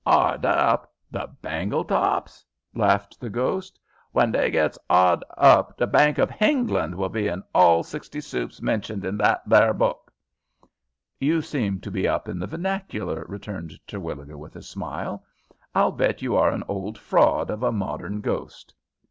"'Ard up? The Baingletops?" laughed the ghost. "When they gets 'ard up the Baink o' Hengland will be in all the sixty soups mentioned in that there book." "You seem to be up in the vernacular," returned Terwilliger, with a smile. "I'll bet you are an old fraud of a modern ghost."